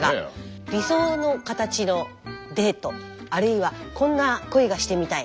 理想の形のデートあるいはこんな恋がしてみたい。